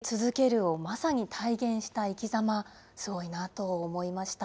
寄り添い続けるをまさに体現した生きざま、すごいなと思いました。